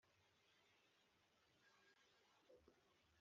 Akarere kagaragaje ko mu miryango